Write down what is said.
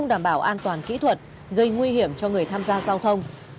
đảm bảo an toàn kỹ thuật gây nguy hiểm cho người tham gia giao thông